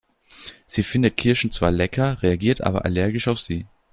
Sie findet Kirschen zwar lecker, reagiert aber allergisch auf sie.